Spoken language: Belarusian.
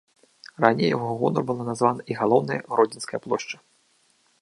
Раней у яго гонар была названа і галоўная гродзенская плошча.